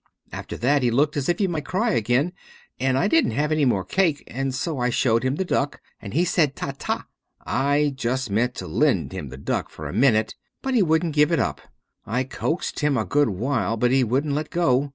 After that he looked as if he might cry again, and I didn't have any more cake and so I showed him the duck and he said 'Ta ta.' I just meant to lend him the duck for a minute, but he wouldn't give it up. I coaxed him a good while, but he wouldn't let go.